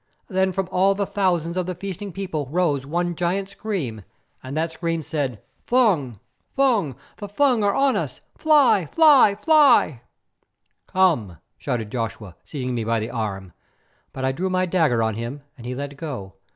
Then from all the thousands of the feasting people rose one giant scream, and that scream said, "Fung! Fung! The Fung are on us! Fly, fly, fly!" "Come," shouted Joshua, seizing me by the arm, but I drew my dagger on him and he let go.